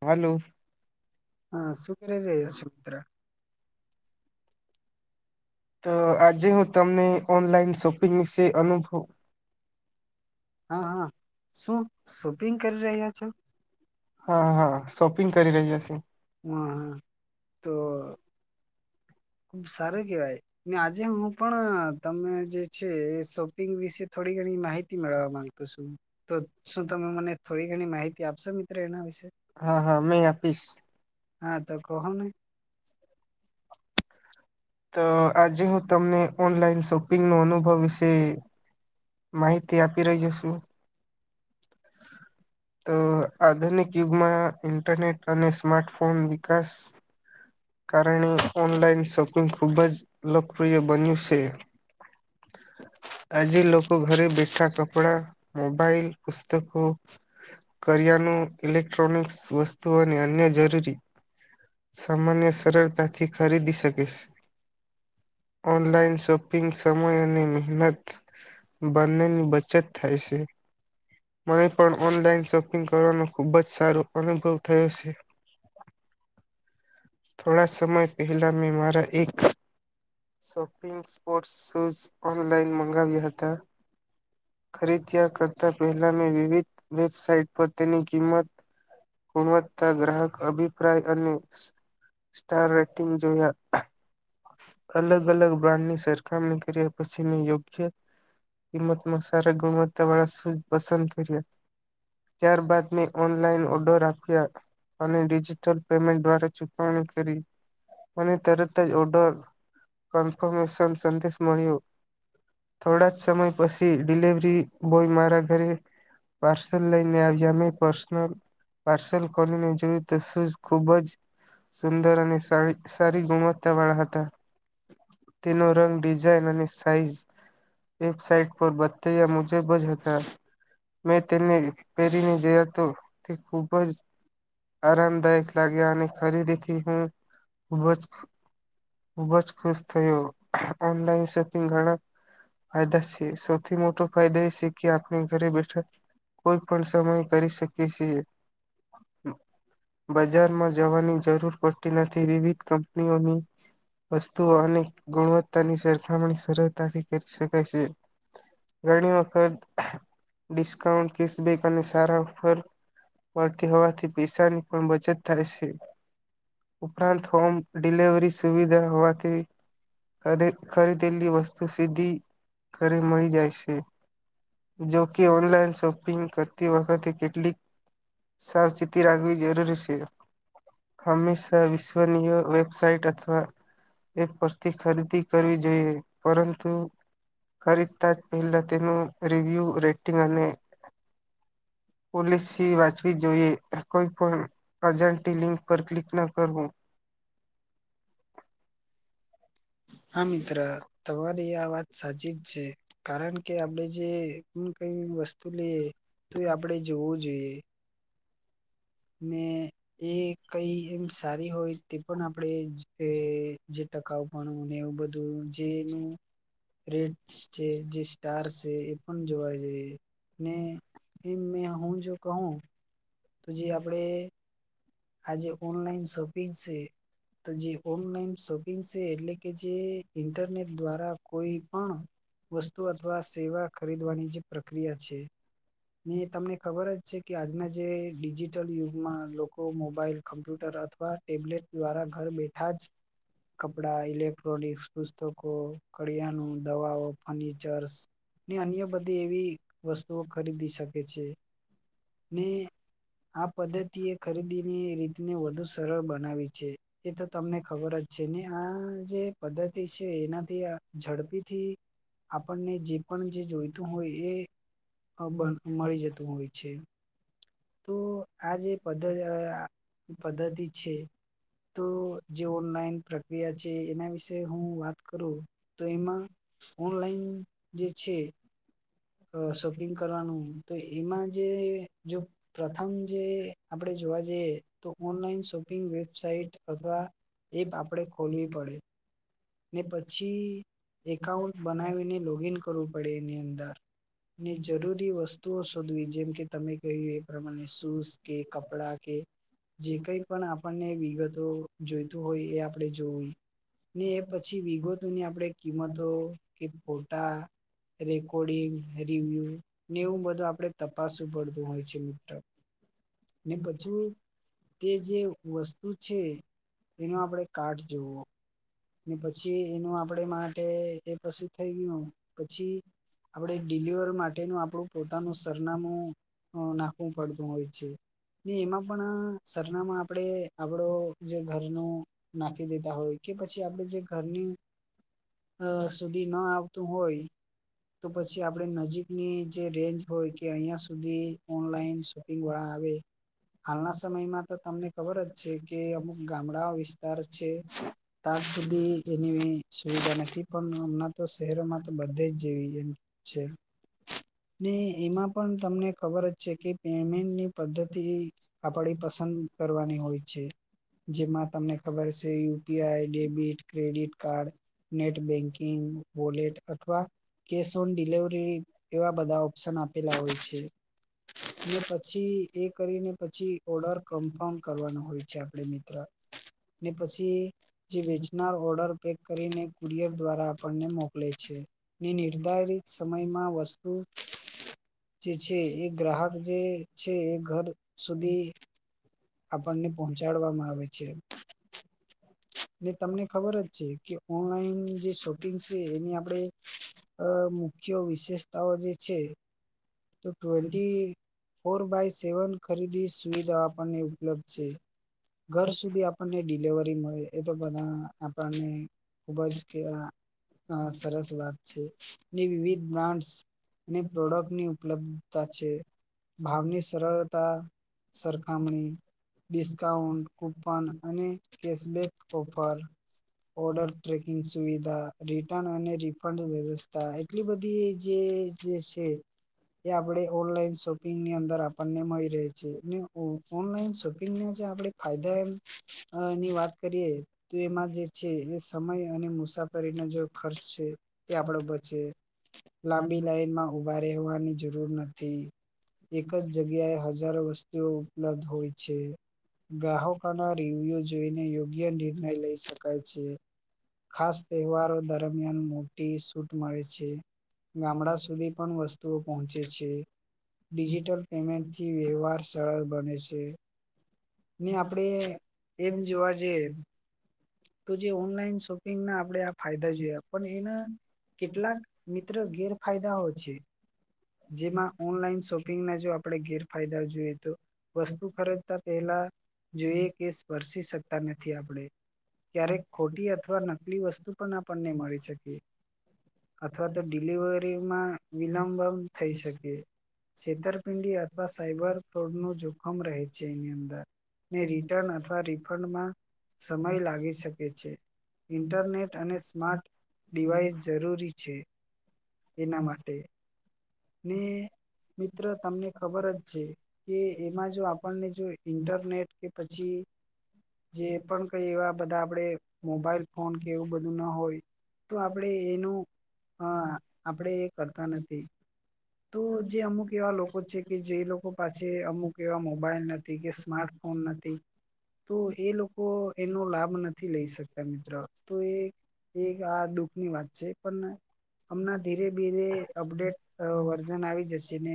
હાલો! હા, શું કરી રહ્યાં છે મિત્ર? તો આજે હું તમને ઓનલાઈન શોપિંગ વિશે અનુભવ હા હા. શું શોપિંગ કરી રહ્યા છો? હા હા શોપિંગ કરી રહ્યો છુ. વા હા. તો, સારું કેવાય! ને આજે હું પણ તમે જે છે, એ શોપિંગ વિશે થોડી ઘણી માહિત મેળવા માંગતો છું. તો, શું તમે મને થોડી ઘણી માહિતી આપશો મિત્રો એના વિશે? અમેય આપીશ. હા તો કહો મને. તો આજે હું તમને ઓનલાઈન શોપિંગ નો અનુભવ વિશે માહિતી આપી રહ્યો છું. [inaudible] અ આધુનિક યુગમાં ઇન્ટરનેટ અને સ્માર્ટફોન વિકાસ કારણે ઓનલાઈન શોપિંગ ખૂબ જ લોકપ્રિય બન્યું સે. આજે લોકો ઘરે બેઠા કપડા, મોબાઈલ, પુસ્તકો કરિયાનું, ઇલેક્ટ્રોનિક્સ વસ્તુ અને અન્ય જરૂરી સામાન્ય સરળતા થી ખરીદી શકે છે. ઓનલાઈન શોપિંગ સમય અને મહેનત બંનેની બચત થાય સે. મને પણ ઓનલાઈન શોપિંગ કરવાનો ખુબ જ સારો અનુભવ થયો છે. થોડા સમય પહેલાં, મેં મારા એક શોપિંગ સ્પોર્ટ્સ શૂઝ ઓનલાઈન મંગાવ્યા હતા. ખરીદ્યા કરતા પહેલા, મેં વિવિધ વેબસાાઈટ પર તેની કિંમત ગુણવત્તા, ગ્રાહક અભિપ્રાય અને સ્ટાર રેટિંગ જોયા. અલગ અલગ બ્રાન્ડની સરખામણી કર્યા પછી મેં યોગ્ય કિંમતમાં સારા ગુણવત્તા વાળા શૂઝ પસંદ કર્યા. ત્યાર બાદ મેં ઓનલાઈન ઓર્ડર આપ્યા. અને ડિજિટલ પેમેન્ટ દ્વારા ચુકવણી કરી. અને તરત જ ઓર્ડર કન્ફર્મેશન સંદેશ મળ્યો. થોડા જ સમય પસ ડિ -ડિલવરી બોય મારા ઘરે પાર્સલ લઈને આવ્યા. મેં પર્સનલ પાર્સલ ખોલીને જોયુ તો શુઝ ખુબ જ સુંદર અને સારી, સારી ગુણવત્તા વાળા હતા. તેનો રંગ, ડિઝાઇન અને સાઈઝ વેબસાઇટ પર બતાવ્યા મુજબ જ હતા. મેં તેને પેરીને જોયા તો તે ખુબ જ આરામદાયક લાગ્યા અને ખરીદીથી હું, ખૂબ જ ખુબ જ ખુશ થયો, ઓનલાઈન શોપિંગ ઘણા ફાયદા છે. સૌથી મોટો ફાયદો એ છે કે, આપણે ઘરે બેઠા કોઈ પણ સમય કરી શકે છે. બજારમાં જવાની જરૂર પડતી નથી, વિવિધ કંપનીઓની વસ્તુઓ અને ગુણવત્તાની સરખામણી સરળતાથી કરી શકાય છે. ઘણી વખત ડિસ્કાઉન્ટ, કેસબેક, અને સારા ઓફર મળતી હોવાથી, પૈસાની પણ બચત થાય છે. હે ઉપરાંત હોમ ડિલવરી સુવિધા હોવાથી ખદે-ખરીદેલી વસ્તુ સીધી ઘરે મળી જાય છે. જોકે ઓનલાઈન શોપિંગ કરતી વખતે, કેટલીક સાવચેતી રાખવી જરૂરી છે. હંમેશા વિશ્વનીય વેબસાઇટ અથવા એ પરથી ખરીદી કરવી જોઈએ. પરંતુ ખરીદતા જ પહેલા તેનું રિવ્યુ, રેટિંગ અને પોલિસી વાંચવી જોઈએ, કોઈ પણ અજાણી લિંક પર ક્લિક ના કરવું. હા મિત્ર, તમારી આ વાત સાચી જ છે. કારણ કે આપણેે જે એવું કઈ વસ્તુ લઈએ તો એ આપણડે જોવું જોઈએ. મેં એક કઈ એમ સારી હોય, તે પણ આપડે જે જે ટકાઉ ભણવું ને, એવું બધું જેનું રેડ છે, જે સ્ટાર છે, એ પણ જોવા જોઈએ ને એ મેં હા હું જો કઉં તો જે આપડે આ જે ઓનલાઈન શોપિંગ છે તો જે ઓનલાઈન શોપિંગ છે, એટલે કે, જે ઇન્ટરનેટ દ્વારા કોઈ પણ વસ્તુ અથવા સેવા ખરીદવાની જે પ્રક્રિયા છે ને તમને ખબર જ છે કે, આજના જે ડિજિટલ યુગમાં લોક કો મોબાઈલ, કમ્પ્યુટર અથવા ટેબલેટ દ્વારા ઘર બેઠા જ કપડા, ઇલેક્ટ્રોનિક, પુસ્તકો, કળિયાનું, દવાઓ, ફર્નિચર્સ ને અન્ય બધી એવી વસ્તુઓ ખરીદી શકે છે. ને આ પદ્ધતિ એક ખરીદી ની રીતને વધુ સરળ બનાવી છે. એ તો તમને ખબર જ છે ને, આ જે પદ્ધતિ છે, એનાથી ઝડપીથી આપણને જે પણ જે જોઈતું હોય એ મળી જતું હોય છે, તો આ જે પદ્ધતિ અ આ પદ્ધતિ છે. તો જે ઓનલાઈન પ્રક્રિયા છે, એના વિશે હું વાત કરું તો એમાં ઓનલાઈન જે છે. અ શોપિંગ કરવાનું, તો એમાં જે જો પ્રથમ જે આપણે જોવા જઈએ, તો ઓનલાઈન શોપિંગ વેબસાઇટ અથવા ઇફ આપડે ખોલવી પડે. ને પછી એકાઉન્ટ બનાવીને લોગીન કરવું પડે એની અંદર. ને જરૂરી વસ્તુઓ શોધવી જેમ કે તમે કહ્યું એ પ્રમાણે સૂઝ કે, કપડા કે જે કઈ પણ આપણને વિગતો જોઈતું હોય એ આપણે જોવી. ને એ પછી વિગતોની આપણે કિંમતો કે ફોટા રેકોર્ડિંગ રિવ્યુ ને એવું બધું આપણે તપાસવું પડતું હોય છે મિત્ર. ને પછી તે જે વસ્તુ છે એનો આપડે કાટૅ જોવો. ને પછી એનું આપડે માટે એ પશી થઈ ગયું. પછી આપડે ડિલિવર માટેનું આપણું પોતાનું સરનામું નાખવું અ પડતું હોય છે. ને એમાં પણ સરનામા આપડે આપડો જે ઘરનો નાખી દેતા હોય કે પછી આપણે જે ઘરની અ સુધી ન આવતું હોય, તો પછી આપડે નજીકની જે રેન્જ હોય કે અહિયાં સુધી ઓનલાઈન વા આવે, હાલના સમયમાં તો તમને ખબર જ છે, કે અમુક ગામડાઓ વિસ્તાર છે ત્યાં સુધી એની સુવિધા નથી પણ હમણાં તો શહેરોમાં તો બધે જ જેવી એમ. છે. ને એમાં પણ તમને ખબર જ છે, કે પેમેન્ટની પદ્ધતિ આપડી પસંદ કરવાની હોય છે, જેમાં તમને ખબર છે U P I debit, credit card, net banking wallet અથવા કેશ ઓન ડિલિવરી એવા બધા ઓપ્શન આપેલા હોય છે. પછી એ કરીને પછી ઓર્ડર કન્ફર્મ કરવાનો હોય છે આપડે મિત્ર. ને પછી જે વેચનાર ઓર્ડરપેક કરીને કુરિયર દ્વારા આપણ આપણને મોકલે છે. ને નિર્ધારિત સમયમાં વસ્તુ જે છે એ ગ્રાહક જે છે એ ઘર સુધી આપણને પહોંચાડવામાં આવે છે. ને તમને ખબર જ છે કે જે શોપિંગ છે એની આપડે અ મુખ્ય વિશેષતાઓ જે છે. તો ટ્વેન્ટી ફોર બાય સેવન ખરીદી સુવિધા આપ આપણને ઉપલબ્ધ છે ઘર સુધી આપણને ડિલવરી મળી રેય તો બધા આપણને ખુબ જ કેવા સરસ અ વાત છે. ની વિવિધ બ્રાન્ડસ અને પ્રોડક્ટની ઉપલબ્ધતા છે. ભાવની સરળતા સરક સરખામણી, ડિસ્કાઉન્ટ, કૂપન અને કેશબેક ઓફર ઓર્ડર ટ્રેકિંગ સુવિધા, રિટર્ન અને રિફન્ડ વ્યવસ્થા એટલી બધી જે જે છે. એ આપડે ઓનલાઈન શોપિંગની અંદર આપણને મળી રહે. રે છે. [inaudible] હમ ઓનલાઈન શોપિંગને જે આપણે ફાયદા એમ એની વાત કરીએ. તે એમાં જે છે એ સમય અને મુસાફરીનો જો ખર્ચ છે, એ આપડો બચે, લાંબી લાઈનમાં ઉભા રહેવાની જરૂર નથી. એક જ જગ્યાએ હજારો વસ્તુઓ ઉપલબ્ધ હોય છે. ગ્રાહકોના રિવ્ય જોઈને યોગ્ય નિર્ણય લઈ શકાય છે. ખાસ તહેવારો દરમિયા એમ મોટી સૂટ મળે છે. ગામડા સુધી પણ વસ્તુઓ પહોંચે છે. ડિજિટલ પેમેન્ટથી વ્યવહાર સરળ બને છે. ને આપડે એમ જોવા જઈએ. તો જે ઓનલાઈન શોપિંગના આપણે આ ફાયદા જોયા પણ એના કેટલાક મિત્ર ગેરફાયદાઓ છે. જેમાં ઓનલાઈન શોપિંગના જો આપણે ગેરફાયદા જોઈએ તો વસ્તુ ખરીદતા પહેલા જોઈએ કે સ્પર્શી શકતા નથી આપણે. ક્યારેક ખોટી અથવા નકલી વસ્તુ પણ આપણને મળી શકીએ. અથવા તો ડિલિવરીમાં વિલંબન થઈ શકે. છેતરપિંડી અથવા સાયબર ફ્રોડનો જો ખમ રહે છે એની અંદર. ને રિટર્ન અથવા રિફંડમાં સમય લાગી શકે છે. ઇન્ટરનેટ અને સ્માર્ટ ડિવાઇસ જરૂરી છે એના માટે. ને મિત્ર તમને ખબર જ છે કે એમાં જો આપણને જો ઇન્ટરનેટ કે પછી જે પણ કઈ એવા બધા આપણેે મોબાઈલ ફોન કે એવું બધું ના હોય. તો આપણે એનું અ આપણેે એ કરતા નથી. તો જે અમુક એવા લોકો કે જે લોકો પાસે અમુક કેવા મોબાઈલ નથી કે સ્માર્ટફોન નથી. તો એ લોકો એનો લાભ નથી લઈ શકતા મિત્ર. તો એ એ આ દુઃખની વાત છે. પણ હમણાં ધીરે ધીરે અપડેટ વર્ઝન આવી જશે ને.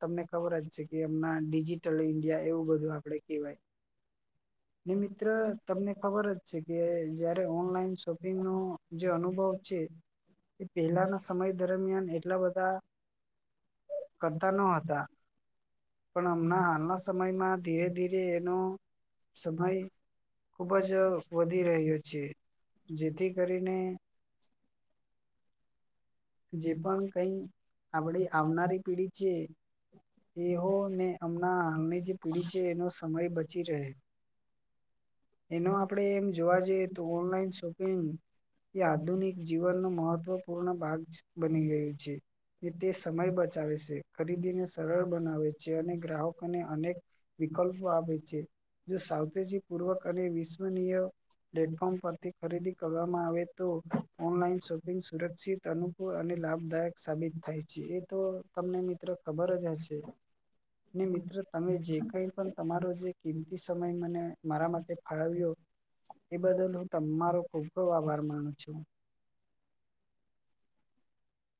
તમને ખબર જ છે કે એમના ડીજી ટલ ઇન્ડિયા એવું બધું આપડે કહેવાય. ને મિત્ર તમને ખબર જ છે કે જયારે ઓનલાઈન શોપિંગનો જે અનુભવ છે. એ પેલાના સમય દરમિયાન એટલા બધા કરતા ન હતા. પણ હમણા હાલના સમયમાં ધીરે ધીરે એનું સમય ખુબ જ વધી રહ્યો છે. જેથી કરીને જે પણ કઈ આપડી આવનારી પીડી છે. એહો ને અમણાં હાલની જે પીડી છે એનો સમય બચી રહ્યો. એનો આપડે એમ જોવા જઈએ તો ઓનલાઈન શોપિંગ એ આધુનિક જીવનનો મહત્વ પૂર્ણ ભાગ બની ગયું છે. એ તે સમય બચાવે છે, ખરીદીને સરળ બનાવે છે અને ગ્રાહકોને અનેક વિકલ્પો આપે છે. જો સાવચેતી પૂર્વક અને વિશ્વનીય પ્લેટફોર્મ પરથી ખરીદી કરવામાં આવે તો ઓનલાઈન શોપિંગ સુરક્ષિત અનુ અને લાભદાયક સાબિત થાય છે એ તો તમને મિત્ર ખબર જ હશે. ને મિત્ર તમે જે કઈ પણ તમારો જે કિંમતી સમય મને મારા માટે ફાળવ્યો. એ બદલ હું તમારો ખૂબ ખૂબ આભાર માનું છું.